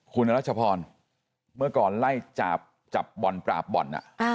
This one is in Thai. คุณรัชพรเมื่อก่อนไล่จับบ่อนปราบบ่อน